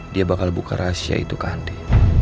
dia bakal buka rahasia itu ke andi